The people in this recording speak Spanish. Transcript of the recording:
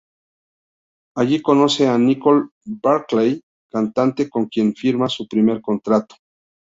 Allí, conoce a Nicole Barclay, cantante con quien firma su primer contrato.